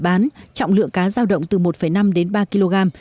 trong lúc bán trọng lượng cá giao động từ một năm đến ba kg